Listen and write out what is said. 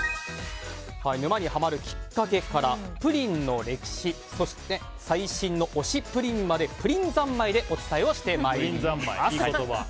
沼にハマるきっかけからプリンの歴史そして、最新の推しプリンまでプリン三昧でお伝えします。